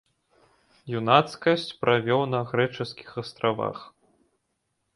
Юнацкасць правёў на грэчаскіх астравах.